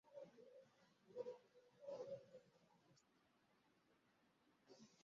Mu ndirimbo nshya yasohoye yitwa Copy